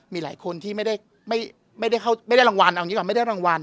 มีหลายคนที่ไม่ได้รางวัล